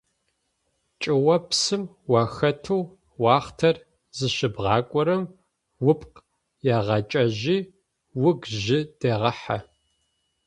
ЧӀыопсым ухэтэу уахътэр зыщыбгъакӏорэм упкъ егъэкӀэжьы, угу жьы дегъэхьэ.